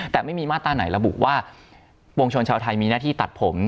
แต่ไม่มีมาตราไหนระบุว่าปวงชนชาวไทยมีหน้าที่ตัดผม